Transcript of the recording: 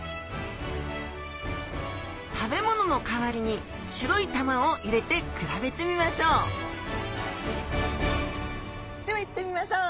食べ物の代わりに白い玉を入れて比べてみましょうではいってみましょう。